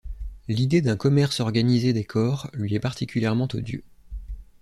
L'idée d'un commerce organisé des corps lui est particulièrement odieux.